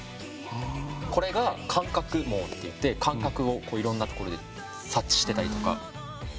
これが「感覚毛」っていって感覚をいろんなところで察知してたりとか。